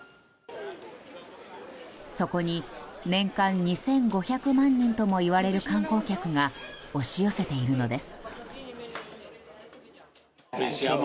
そこに年間２５００万人ともいわれる観光客が押し寄せているのです。